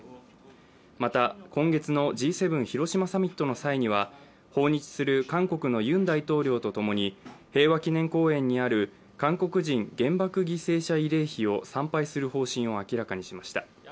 また、今月のＧ７広島サミットの際には訪日する韓国のユン大統領とともに平和記念公園にある韓国人原爆犠牲者慰霊碑を参拝する方針を明らかにしました。